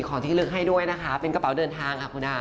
ที่ลึกให้ด้วยนะคะเป็นกระเป๋าเดินทางค่ะคุณอา